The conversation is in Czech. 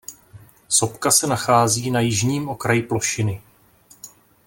Sopka se nachází na jižním okraji plošiny.